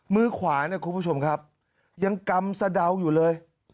มือขวาเนี่ยคุณผู้ชมครับยังกำสะเดาอยู่เลย